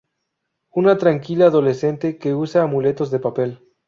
Una tranquila adolescente que usa amuletos de papel.